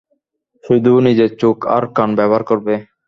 শুধু নিজের চোখ আর কান ব্যবহার করবে।